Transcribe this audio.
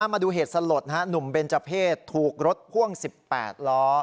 มาดูเหตุสลดนะฮะหนุ่มเบญจเพศถูกรถพ่วงสิบแปดล้อ